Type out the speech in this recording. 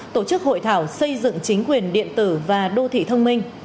tổ chức hội thảo xây dựng chính quyền điện tử và đô thị thông minh